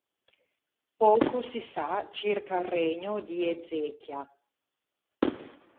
Poco si sa circa il regno di Ezechia.